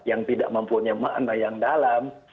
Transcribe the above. yang tidak mempunyai makna yang dalam